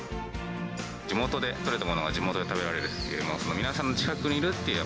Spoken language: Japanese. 地元で取れたものが地元で食べられるっていう、皆さんの近くにいるっていう